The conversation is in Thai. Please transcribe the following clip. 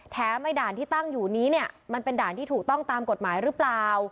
ไอ้ด่านที่ตั้งอยู่นี้เนี่ยมันเป็นด่านที่ถูกต้องตามกฎหมายหรือเปล่า